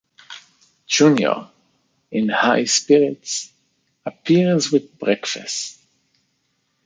Junior, in high spirits, appears with breakfast.